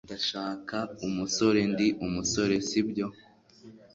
"Ndashaka umusore." "Ndi umusore, si byo?"